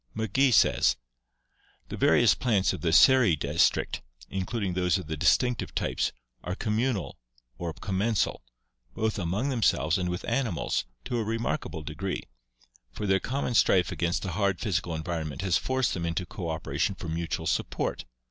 McGee says: "The various plants of the [Seri] district, including those of the distinctive types, are communal or commensal, both among them selves and with animals, to a remarkable degree; for their common strife against the hard physical environment has forced them into cooperation for mutual support.